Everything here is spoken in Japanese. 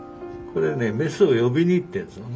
これねメスを呼びに行ってるんです。